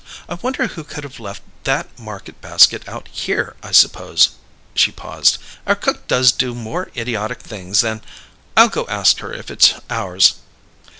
"I wonder who could have left that market basket out here. I suppose " She paused. "Our cook does do more idiotic things than I'll go ask her if it's ours."